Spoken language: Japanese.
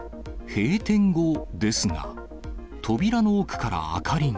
閉店後ですが、扉の奥から明かりが。